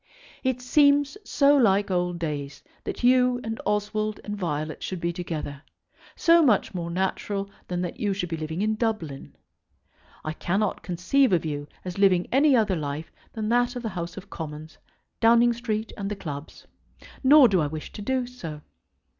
It seems so like old days that you and Oswald and Violet should be together, so much more natural than that you should be living in Dublin. I cannot conceive of you as living any other life than that of the House of Commons, Downing Street, and the clubs. Nor do I wish to do so.